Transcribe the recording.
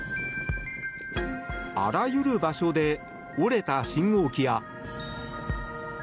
あらゆる場所で折れた信号機や。